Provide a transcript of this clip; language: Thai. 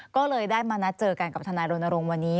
ก็เลยได้มานัดเจอกันกับทนายรณรงค์วันนี้